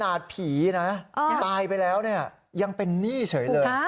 ถนาดผีนะตายไปแล้วยังเป็นหนี้เฉยเลย